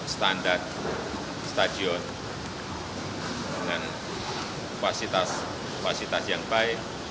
standar stadion dengan kapasitas kapasitas yang baik